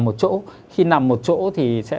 một chỗ khi nằm một chỗ thì sẽ